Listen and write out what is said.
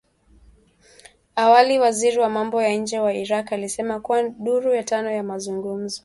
Awali waziri wa mambo ya nje wa Iraq alisema kuwa duru ya tano ya mazungumzo